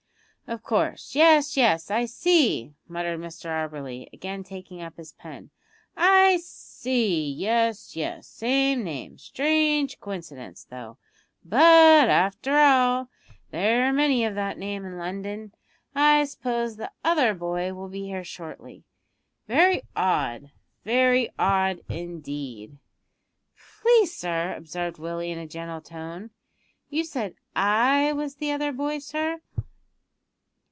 "Of course; yes, yes, I see," muttered Mr Auberly, again taking up his pen. "I see; yes, yes; same name strange coincidence, though; but, after all, there are many of that name in London. I suppose the other boy will be here shortly. Very odd, very odd indeed." "Please, sir," observed Willie, in a gentle tone, "you said I was the other boy, sir."